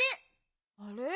あれ？